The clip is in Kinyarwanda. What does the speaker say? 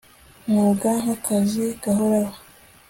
mwuga nk akazi gahoraho